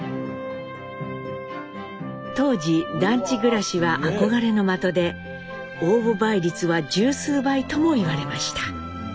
当時団地暮らしは憧れの的で応募倍率は十数倍ともいわれました。